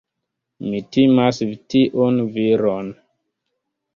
Mi timas tiun viron.